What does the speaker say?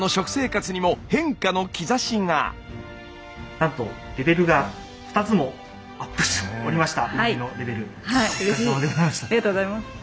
なんとレベルが２つもアップしておりました。